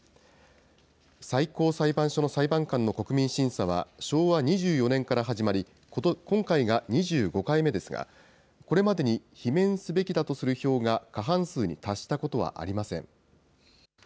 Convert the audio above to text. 最高裁判所の裁判官の国民審査は昭和２４年から始まり、今回が２５回目ですが、これまでに罷免すべきだとする票が過半数に達したことはありません。